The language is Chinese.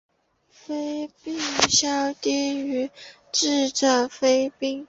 丰碑稍低于智者丰碑。